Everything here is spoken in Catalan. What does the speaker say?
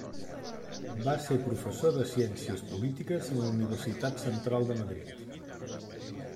Va ser professor de Ciències Polítiques en la Universitat Central de Madrid.